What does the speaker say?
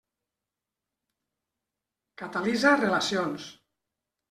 Catalitza relacions.